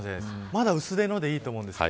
まだ薄手のものでいいと思います。